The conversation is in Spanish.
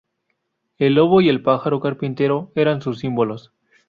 El lobo y el pájaro carpintero eran sus símbolos.